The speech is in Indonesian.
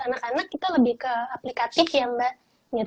anak anak itu lebih ke aplikatif ya mbak